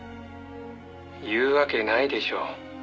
「言うわけないでしょう。